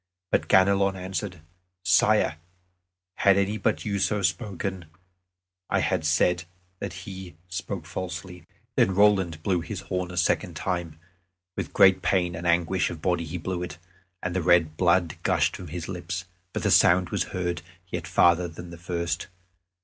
But Ganelon answered, "Sire, had any but you so spoken, I had said that he spoke falsely." Then Roland blew his horn a second time; with great pain and anguish of body he blew it, and the red blood gushed from his lips; but the sound was heard yet farther than at first.